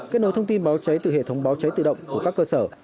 kết nối thông tin báo cháy từ hệ thống báo cháy tự động của các cơ sở